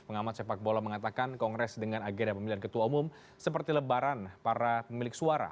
pengamat sepak bola mengatakan kongres dengan agenda pemilihan ketua umum seperti lebaran para pemilik suara